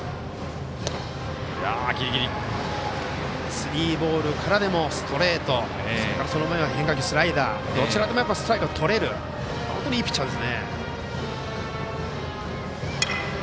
スリーボールからでもストレート、それからその前は変化球、スライダーどちらでも、ストライクがとれる本当にいいピッチャーですね。